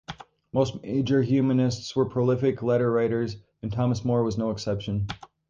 Most major humanists were prolific letter writers, and Thomas More was no exception.